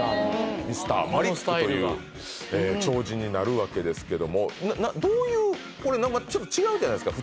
Ｍｒ．マリックという超人になるわけですけどもななどういうこれ何かちょっと違うじゃないですか？